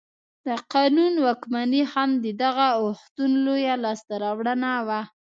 د قانون واکمني هم د دغه اوښتون لویه لاسته راوړنه وه.